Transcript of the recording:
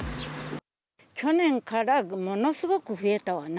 去年からものすごく増えたわな。